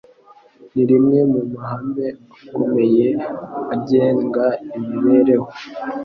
ni rimwe mu mahame akomeye agenga imibereho